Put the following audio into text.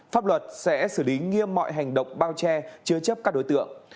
pháp luật sẽ xử lý nghiêm mọi hành động bao che chứa chấp các đối tượng